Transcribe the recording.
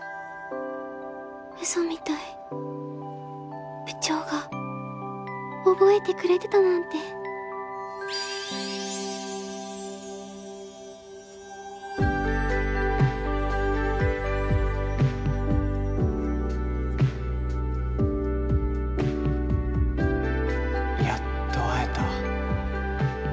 ウソみたい部長が覚えてくれてたなんてやっと会えた